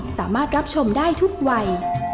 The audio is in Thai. สามารถรับชมได้ทุกวัย